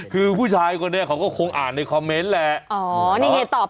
คือผู้ชายคนแน่คงคงอ่านในคอมเม้นท์แหล่ะ